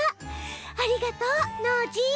ありがとうノージー！